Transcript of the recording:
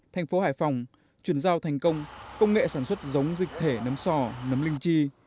thành phố hải phòng chuyển giao thành công công nghệ sản xuất giống dịch thể nấm sò nấm linh chi